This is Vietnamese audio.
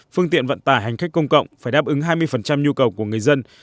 phương tiện vận tải hành khách công cộng phải đáp ứng hai mươi nhu cầu của người dân